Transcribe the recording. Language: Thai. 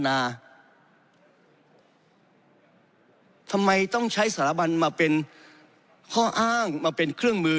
ทำไมต้องใช้สถาบันมาเป็นข้ออ้างมาเป็นเครื่องมือ